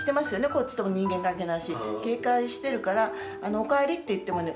こっちとも人間関係ないし警戒してるから「おかえり」って言ってもねうつむいてた。